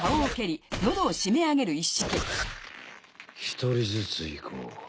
１人ずついこう。